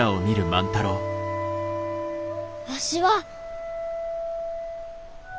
わしは。